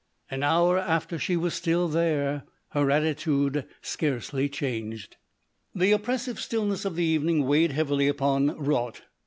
An hour after she was still there, her attitude scarcely changed. The oppressive stillness of the evening weighed heavily upon Raut.